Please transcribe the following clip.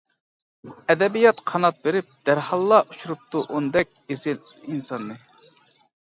ئەدەبىيات قانات بېرىپ دەرھاللا ئۇچۇرۇپتۇ ئوندەك ئېسىل ئىنساننى.